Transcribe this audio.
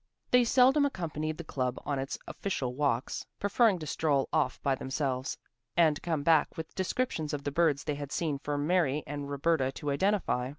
They seldom accompanied the club on its official walks, preferring to stroll off by themselves and come back with descriptions of the birds they had seen for Mary and Roberta to identify.